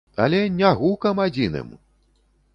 Але не гукам адзіным!